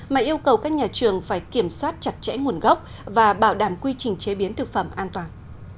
mà yêu cầu các nhà trường phải kiểm soát chặt chẽ nguồn gốc và bảo đảm quy trình chế biến thực phẩm an toàn